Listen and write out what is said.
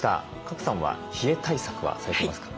賀来さんは冷え対策はされていますか？